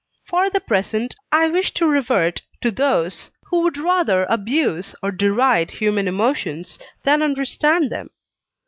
For the present I wish to revert to those, who would rather abuse or deride human emotions than understand them.